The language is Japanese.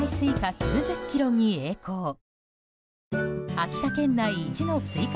秋田県内一のスイカ